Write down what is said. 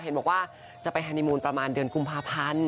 เห็นบอกว่าจะไปฮานีมูลประมาณเดือนกุมภาพันธ์